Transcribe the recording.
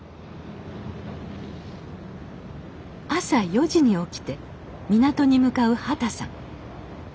朝４時に起きて港に向かう畑さん。